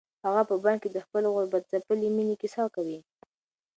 هغه په بن کې د خپلې غربت ځپلې مېنې کیسه کوي.